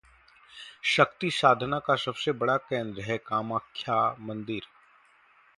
शक्ति साधना का सबसे बड़ा केंद्र है कामाख्या मंदिर